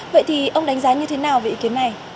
vậy thì ông đánh giá như thế nào về ý kiến này